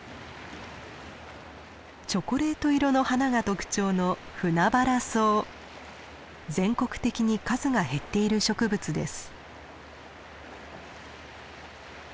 チョコレート色の花が特徴の全国的に数が減っている植物です。